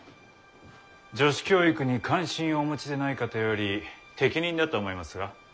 女子教育に関心をお持ちでない方より適任だと思いますが。